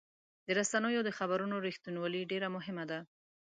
د رسنیو د خبرونو رښتینولي ډېر مهمه ده.